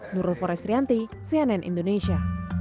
nurul forestrianti cnn indonesia